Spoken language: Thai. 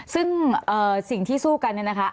ซึ่งสิ่งที่สู้กันเนี่ยนะคะ